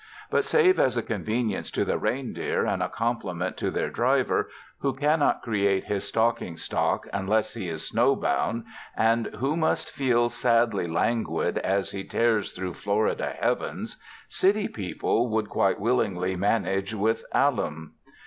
But save as a convenience to the reindeer and a compliment to their driver, who cannot create his stocking stock unless he is snowbound, and who must feel sadly languid as he tears through Florida heavens, city people would quite willingly manage with alum.